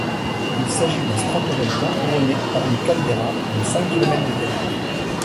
Il s'agit d'un stratovolcan couronné par une caldeira de cinq kilomètres de diamètre.